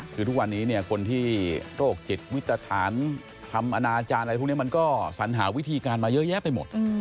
คือทุกวันนี้เนี่ยคนที่โรคจิตวิตรฐานทำอนาจารย์อะไรพวกนี้มันก็สัญหาวิธีการมาเยอะแยะไปหมด